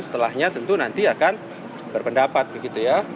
setelahnya tentu nanti akan berpendapat begitu ya